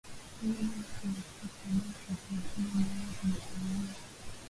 Uganda chini ya Kabaka Kwa hiyo nalo lilichangia